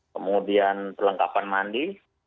kemudian perlengkapan mandi